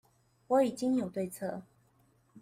我已經有對策